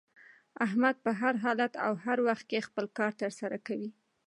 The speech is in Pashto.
احمد په هر حالت او هر وخت کې خپل کار تر سره کوي.